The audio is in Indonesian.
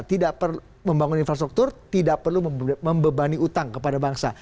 tidak perlu membangun infrastruktur tidak perlu membebani utang kepada bangsa